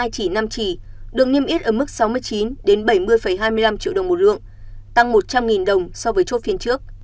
chỉ năm chỉ được niêm yết ở mức sáu mươi chín bảy mươi hai mươi năm triệu đồng một lượng tăng một trăm linh đồng so với chốt phiên trước